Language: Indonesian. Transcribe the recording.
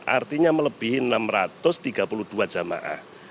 artinya melebihi enam ratus tiga puluh dua jamaah